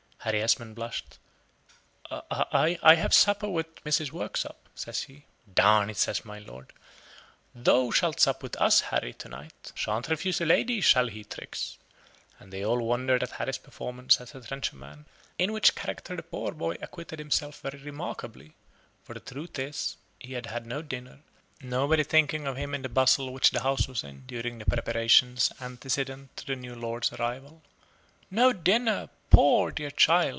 Harry Esmond blushed: "I I have supper with Mrs. Worksop," says he. "D n it," says my lord, "thou shalt sup with us, Harry, to night! Shan't refuse a lady, shall he, Trix?" and they all wondered at Harry's performance as a trencher man, in which character the poor boy acquitted himself very remarkably; for the truth is he had had no dinner, nobody thinking of him in the bustle which the house was in, during the preparations antecedent to the new lord's arrival. "No dinner! poor dear child!"